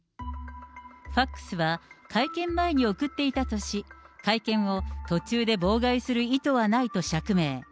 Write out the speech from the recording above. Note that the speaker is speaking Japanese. ファックスは会見前に送っていたとし、会見を途中で妨害する意図はないと釈明。